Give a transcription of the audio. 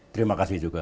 terima kasih juga